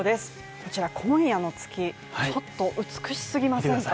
こちら今夜の月、ちょっと美しすぎませんか？